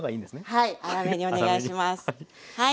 はい。